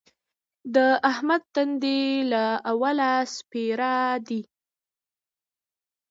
د احمد تندی له اوله سپېره دی.